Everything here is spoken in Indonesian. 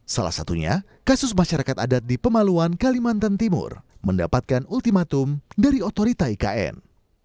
salah satunya kasus masyarakat adat di pemaluan kalimantan timur mendapatkan ultimatum dari otorita ikn